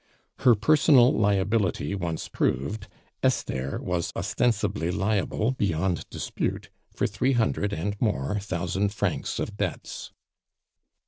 Her personal liability once proved, Esther was ostensibly liable, beyond dispute, for three hundred and more thousand francs of debts.